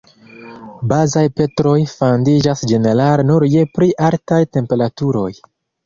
Bazaj petroj fandiĝas ĝenerale nur je pli altaj temperaturoj.